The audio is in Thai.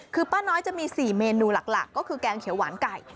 คือป้าน้อยจะมี๔เมนูหลักก็คือแกงเขียวหวานไก่